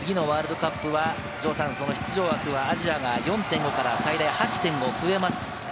次のワールドカップは、城さん、その出場枠はアジアが４．５から最大８枠に増えます。